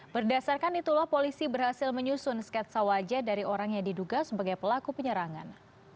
berdasarkan itulah polisi berhasil menyusun sketsa wajah dari orang yang diduga sebagai pelaku penyerangan